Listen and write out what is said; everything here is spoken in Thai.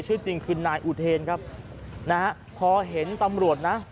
ชื่อจริงคือนายอุเทนครับนะฮะพอเห็นตำรวจนะ